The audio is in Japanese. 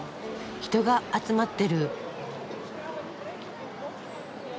人が集まってる。